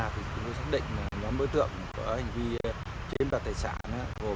thì chúng tôi xác định nhóm đối tượng có hành vi trên đoạt tài sản gồm ba lữ hai nam